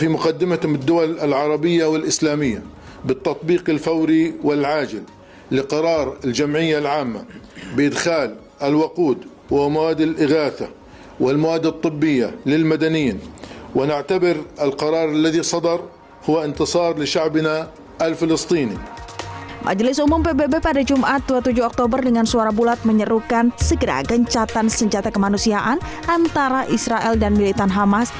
majelis umum pbb pada jumat dua puluh tujuh oktober dengan suara bulat menyerukan segera gencatan senjata kemanusiaan antara israel dan militan hamas